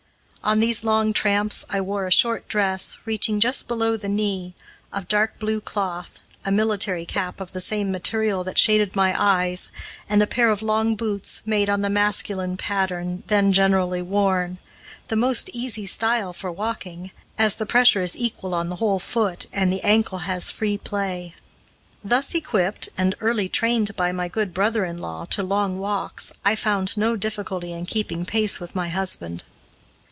On these long tramps I wore a short dress, reaching just below the knee, of dark blue cloth, a military cap of the same material that shaded my eyes, and a pair of long boots, made on the masculine pattern then generally worn the most easy style for walking, as the pressure is equal on the whole foot and the ankle has free play. Thus equipped, and early trained by my good brother in law to long walks, I found no difficulty in keeping pace with my husband.